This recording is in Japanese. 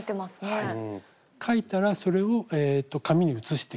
はい。